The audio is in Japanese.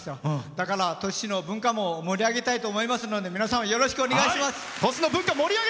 だから、鳥栖市の文化も盛り上げたいと思いますので皆様、よろしくお願いします。